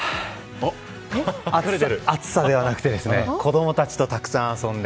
暑さではなくて子供たちとたくさん遊んで。